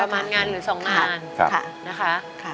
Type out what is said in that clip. ประมาณงานหรือสองงานนะคะ